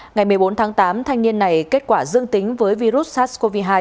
ngày một mươi bốn tháng tám thanh niên này kết quả dương tính với virus sars cov hai